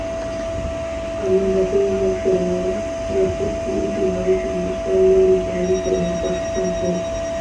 ئەمە بەپێی لێکدانەوە یاخود وردبوونەوەی پزیشکان لەو نیشانانەی کە لە نەخۆشەکان هەیە